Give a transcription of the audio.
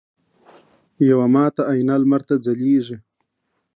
یوه ماته آینه لمر ته ځلیږي